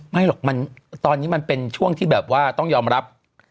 ไม่หรอกตอนนี้มันเป็นช่วงที่แบบว่าต้องยอมรับ